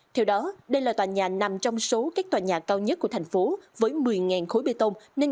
theo đó đây là tòa nhà nằm trong số các tòa nhà cao nhất của thành phố với một mươi khối bê tông nên